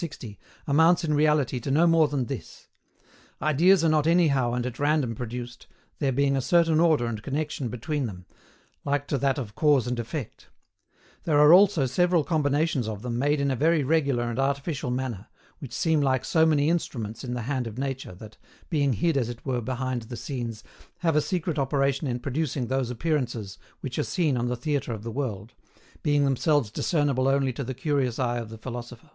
60 amounts in reality to no more than this: ideas are not anyhow and at random produced, there being a certain order and connexion between them, like to that of cause and effect; there are also several combinations of them made in a very regular and artificial manner, which seem like so many instruments in the hand of nature that, being hid as it were behind the scenes, have a secret operation in producing those appearances which are seen on the theatre of the world, being themselves discernible only to the curious eye of the philosopher.